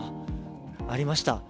ありました。